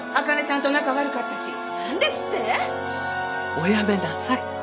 おやめなさい。